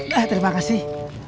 eh terima kasih